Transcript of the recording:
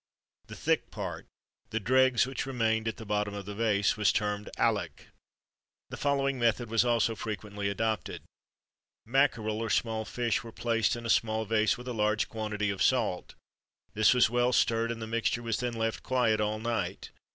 The thick part the dregs which remained at the bottom of the vase was termed alec.[XXIII 32] The following method was also frequently adopted: Mackerel, or small fish, were placed in a small vase with a large quantity of salt; this was well stirred, and the mixture was then left quiet all night.